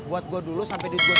buat gue dulu sampai duduk